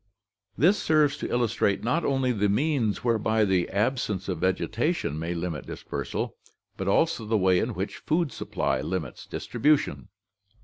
This serves to illustrate not only the means whereby the absence of vegetation may limit dispersal, but also the way in which food supply limits distribution.